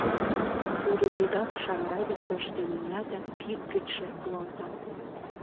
Тудо вигак Шамрай дек тӧрштен мия да кид гычше руалта.